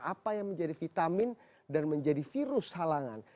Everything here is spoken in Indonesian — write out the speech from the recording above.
apa yang menjadi vitamin dan menjadi virus halangan